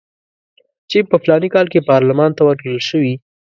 چې په فلاني کال کې پارلمان ته ورکړل شوي.